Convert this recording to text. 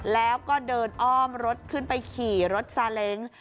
แล้วก็เดินอ้อมรถขึ้นไปขี่รถซาเล้ง